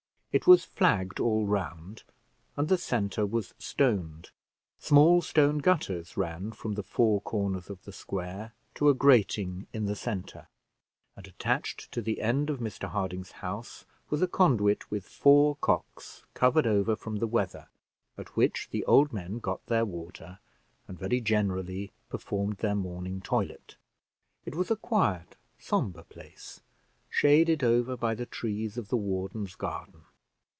It was flagged all round, and the centre was stoned; small stone gutters ran from the four corners of the square to a grating in the centre; and attached to the end of Mr Harding's house was a conduit with four cocks covered over from the weather, at which the old men got their water, and very generally performed their morning toilet. It was a quiet, sombre place, shaded over by the trees of the warden's garden.